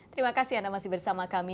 terima kasih anda masih bersama kami